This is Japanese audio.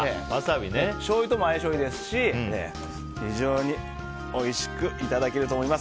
しょうゆとも相性がいいですし非常においしくいただけると思います。